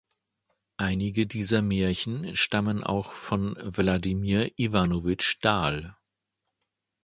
Einige dieser Märchen stammen auch von Wladimir Iwanowitsch Dal.